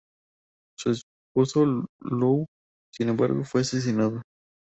Su esposo Luo, sin embargo, fue asesinado.